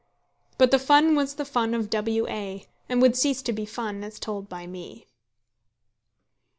But the fun was the fun of W A , and would cease to be fun as told by me.